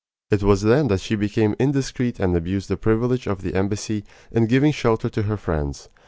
It was then that she became indiscreet and abused the privilege of the embassy in giving shelter to her friends.